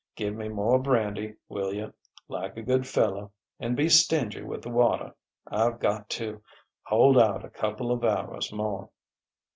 Give me more brandy, will you, like a good fellow and be stingy with the water. I've got to ... hold out a couple of hours more."